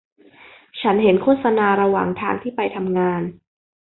ฉันเห็นโฆษณาระหว่างทางที่ไปทำงาน